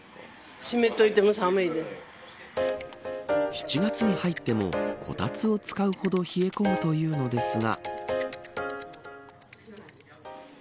７月に入ってもこたつを使うほど冷え込むというのですが。